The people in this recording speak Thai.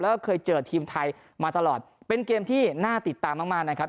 แล้วก็เคยเจอทีมไทยมาตลอดเป็นเกมที่น่าติดตามมากมากนะครับ